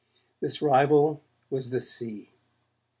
This rival was the Sea.